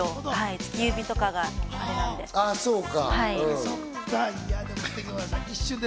突き指とかがあれなんで。